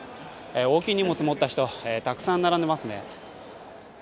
大きい荷物を持った人、たくさん並んでいますね。